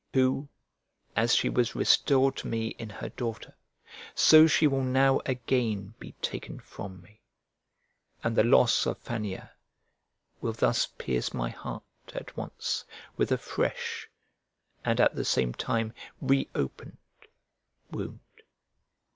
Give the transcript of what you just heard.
who, as she was restored to me in her daughter, so she will now again be taken from me, and the loss of Fannia will thus pierce my heart at once with a fresh, and at the same time re opened, wound.